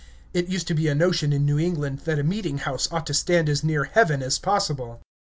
It used to be a notion in New England that a meeting house ought to stand as near heaven as possible.